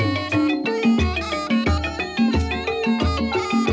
น่ารักค่ะ